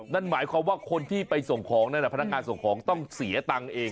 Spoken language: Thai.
นั่นหมายความว่าคนที่ไปส่งของนั่นแหละพนักงานส่งของต้องเสียตังค์เอง